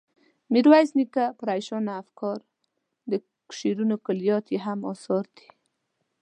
میرویس نیکه، پریشانه افکار، د شعرونو کلیات یې هم اثار دي.